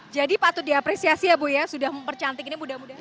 jadi patut diapresiasi ya ibu ya sudah mempercantik ini mudah mudahan